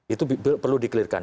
itu perlu dikelirkan